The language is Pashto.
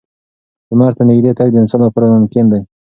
لمر ته نږدې تګ د انسان لپاره ناممکن دی.